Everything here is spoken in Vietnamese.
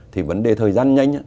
thì vấn đề thời gian nhanh